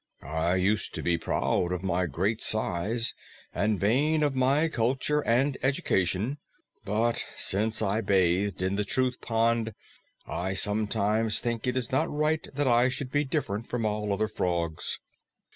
I used to be proud of my great size and vain of my culture and education, but since I bathed in the Truth Pond, I sometimes think it is not right that I should be different from all other frogs."